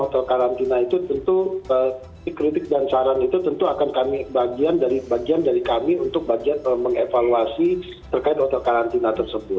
hotel karantina itu tentu kritik dan saran itu tentu akan kami bagian dari kami untuk bagian mengevaluasi terkait hotel karantina tersebut